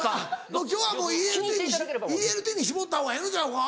今日はＥＬＴに絞ったほうがええのんちゃうか？